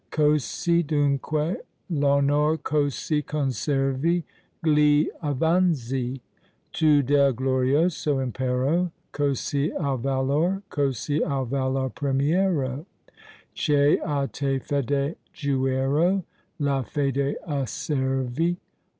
Così dunque l' onor, così conservi Gli avanzi tu del glorioso Impero? Cosi al valor, cosi al valor primiero Che a te fede giurò, la fede osservi?